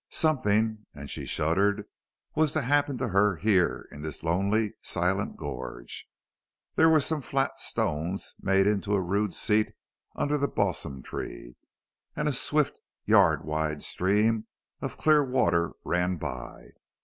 Something and she shuddered was to happen to her here in this lonely, silent gorge. There were some flat stones made into a rude seat under the balsam tree, and a swift, yard wide stream of clear water ran by.